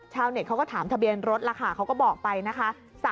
ชาวเน็ตเขาก็ถามทะเบียนรถราคาเขาก็บอกไปนะคะ๓๔๕๕